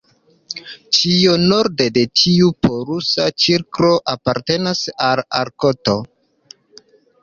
Ĉio norde de tiu polusa cirklo apartenas al Arkto.